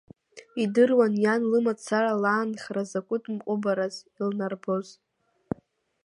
Идыруан иан лымацара лаанхара закәытә мҟәымбараз илнарбоз.